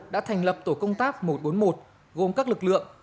đã thành lập tổ công tác một trăm bốn mươi một gồm các lực lượng